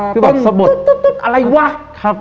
ตึ๊ดอะไรวะ